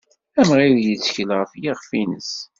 Amɣid yettkel ɣef yixef-nnes.